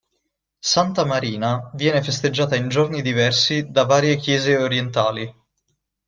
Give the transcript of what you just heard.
Santa Marina viene festeggiata in giorni diversi da varie Chiese orientali.